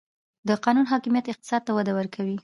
د قانون حاکمیت اقتصاد ته وده ورکوي؟